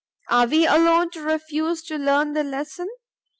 Are we alone to refuse to learn the lesson?